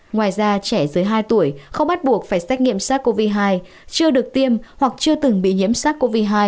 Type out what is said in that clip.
ngoài ra trẻ dưới hai tuổi không bắt buộc phải xét nghiệm sars cov hai chưa được tiêm hoặc chưa từng bị nhiễm sars cov hai